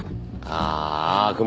ああ。